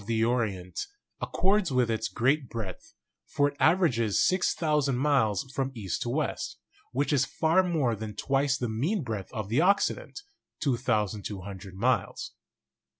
the Orient accords with its great breadth; for it aver ages 6,000 miles from east to west, which is far more than twice the mean breadth of the Occident (2,200 miles).